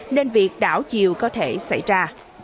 nên việc đảo chiều có thể xảy ra